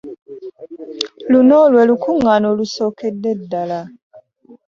Luno lwe lukuŋŋaana olusookedde ddala.